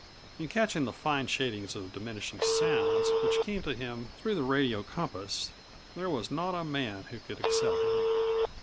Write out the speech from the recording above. In catching the fine shadings of diminishing sounds which came to him through the radio compass, there was not a man who could excel him.